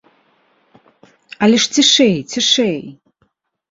Але ж цішэй, цішэй!